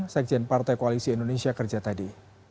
sekjen partai koalisi indonesia kerja tadi